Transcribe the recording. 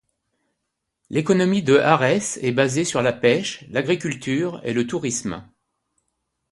L'économie de Ares est basée sur la pêche, l'agriculture et le tourisme.